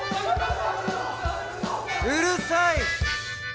うるさい！